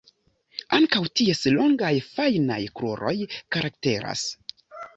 Ankaŭ ties longaj fajnaj kruroj karakteras.